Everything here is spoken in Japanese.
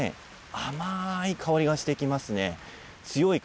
強い香りがしてきます。